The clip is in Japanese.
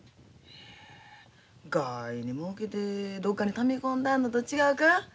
がいにもうけてどっかにため込んだあんのと違うか？